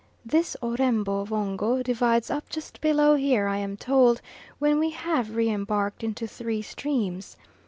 This O'Rembo Vongo divides up just below here, I am told, when we have re embarked, into three streams.